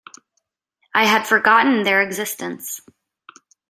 I had forgotten their existence.